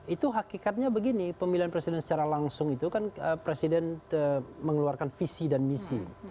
itu hakikatnya begini pemilihan presiden secara langsung itu kan presiden mengeluarkan visi dan misi